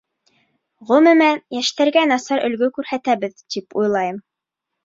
Ғөмүмән, йәштәргә насар өлгө күрһәтәбеҙ тип уйлайым.